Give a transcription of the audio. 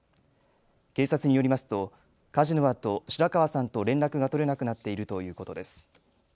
警察によりますと火事のあと白川さんと連絡が取れなくなっているということです。